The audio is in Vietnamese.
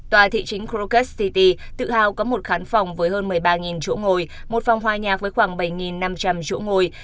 tòa thị chính cort city tự hào có một khán phòng với hơn một mươi ba chỗ ngồi một phòng hòa nhạc với khoảng bảy năm trăm linh chỗ ngồi